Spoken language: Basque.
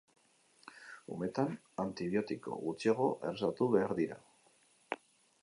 Umetan antibiotiko gutxiago errezetatu behar dira.